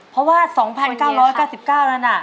เพราะว่า๒๙๙๙นั้นอ่ะ